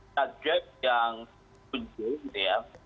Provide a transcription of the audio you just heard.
target yang kunci